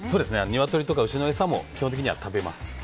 ニワトリとか牛の餌も基本的には食べます。